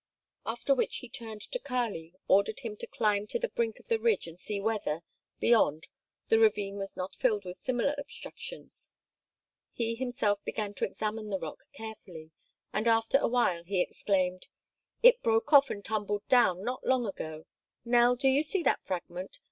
After which he turned to Kali, ordered him to climb to the brink of the ridge and see whether, beyond, the ravine was not filled with similar obstructions; he himself began to examine the rock carefully, and after a while he exclaimed: "It broke off and tumbled down not long ago. Nell, do you see that fragment?